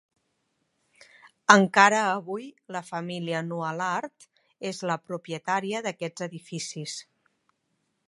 Encara avui la família Nualart és la propietària d'aquests edificis.